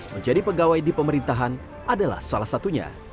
menjadi pegawai di pemerintahan adalah salah satunya